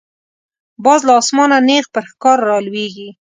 باز له آسمانه نیغ پر ښکار را لویږي